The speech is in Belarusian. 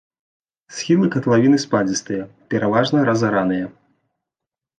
Схілы катлавіны спадзістыя, пераважна разараныя.